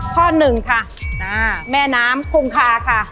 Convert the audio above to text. ข้อหนึ่งค่ะแม่น้ำคงคาค่ะ